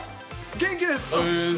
元気です。